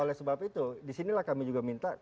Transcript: oleh sebab itu disinilah kami juga minta